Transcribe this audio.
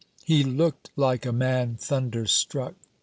He looked like a man thunderstruck.